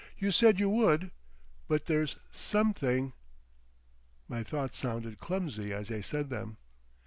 You said you would. But there's something." My thoughts sounded clumsy as I said them.